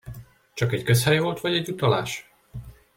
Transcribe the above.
Csak egy közhely volt, vagy egy utalás?